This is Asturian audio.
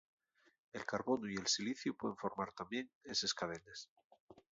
El carbonu y el siliciu puen formar tamién eses cadenes.